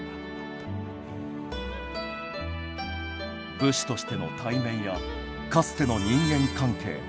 武士としての体面やかつての人間関係。